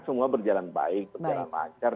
semua berjalan baik berjalan lancar